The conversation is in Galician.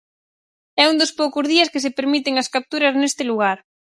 É un dos poucos días que se permiten as capturas neste lugar.